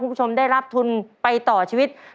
คุณผู้ชมได้รับทุนไปต่อชีวิต